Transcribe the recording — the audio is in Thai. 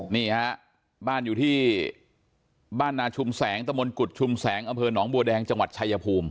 นี่ฮะบ้านอยู่ที่บ้านนาชุมแสงตะมนตกุฎชุมแสงอำเภอหนองบัวแดงจังหวัดชายภูมิ